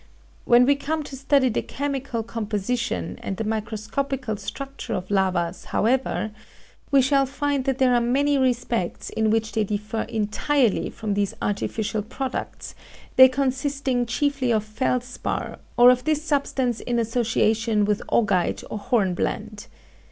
When we come to study the chemical composition and the microscopical structure of lavas, however, we shall find that there are many respects in which they differ entirely from these artificial products, they consisting chiefly of felspar, or of this substance in association with augite or hornblende.